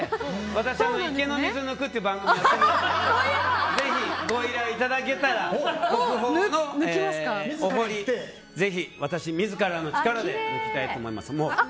私は、「池の水を抜く」っていう番組をやってるのでぜひご依頼いただけたら国宝のお堀ぜひ私、自らの力で抜きたいと思います。